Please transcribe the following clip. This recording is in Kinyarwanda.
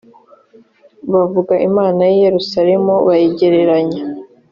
bavuga imana y i yerusalemu bayigereranya